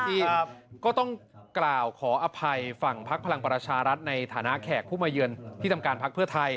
ที่ก็ต้องกล่าวขออภัยฝั่งพักพลังประชารัฐในฐานะแขกผู้มาเยือนที่ทำการพักเพื่อไทย